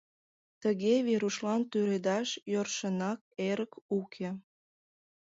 Тыге Верушлан тӱредаш йӧршынак эрык уке.